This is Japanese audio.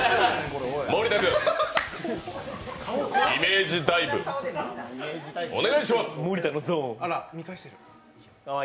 盛田君、イメージダイブ、お願いします。